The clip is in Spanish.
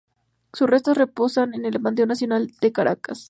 Sus restos reposan en el Panteón Nacional, en Caracas.